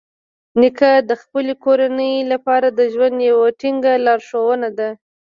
نیکه د خپلې کورنۍ لپاره د ژوند یوه ټینګه لارښونه ده.